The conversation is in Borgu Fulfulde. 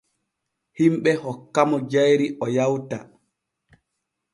Himɓe hokkamo jayri o yawta.